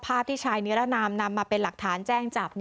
ภาพที่ชายนิรนามนำมาเป็นหลักฐานแจ้งจับ